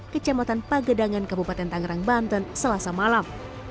kecamatan pagedangan kabupaten tangerang banten selasa malam